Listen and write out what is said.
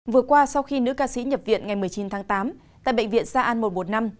vừa qua sau khi nữ ca sĩ nhập viện ngày một mươi chín tháng tám tại bệnh viện gia an một trăm một mươi năm